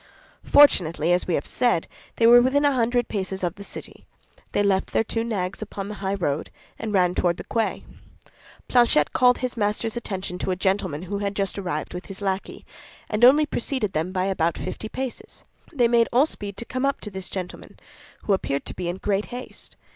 Fortunately, as we have said, they were within a hundred paces of the city; they left their two nags upon the high road, and ran toward the quay. Planchet called his master's attention to a gentleman who had just arrived with his lackey, and only preceded them by about fifty paces. They made all speed to come up to this gentleman, who appeared to be in great haste.